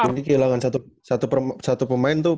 ini kehilangan satu pemain tuh